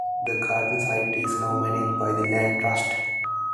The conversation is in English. The garden site is now managed by The Land Trust.